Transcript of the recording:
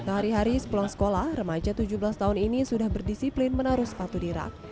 sehari hari sepulang sekolah remaja tujuh belas tahun ini sudah berdisiplin menaruh sepatu di rak